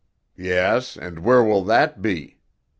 "Yes, and where will that be?"